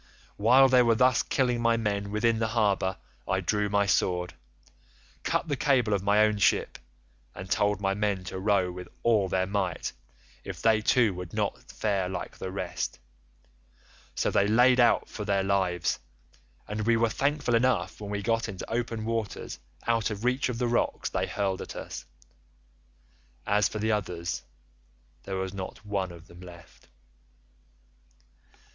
While they were thus killing my men within the harbour I drew my sword, cut the cable of my own ship, and told my men to row with all their might if they too would not fare like the rest; so they laid out for their lives, and we were thankful enough when we got into open water out of reach of the rocks they hurled at us. As for the others there was not one of them left.